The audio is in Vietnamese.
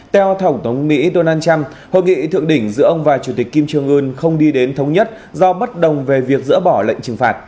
theo tổng thống mỹ donald trump hội nghị thượng đỉnh giữa ông và chủ tịch kim trương ưn không đi đến thống nhất do bất đồng về việc dỡ bỏ lệnh trừng phạt